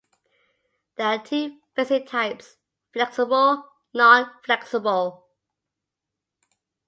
There are two basic types: flexible; non-flexible.